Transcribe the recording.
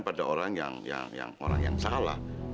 pada orang yang salah